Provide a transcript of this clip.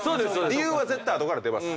理由は絶対後から出ます。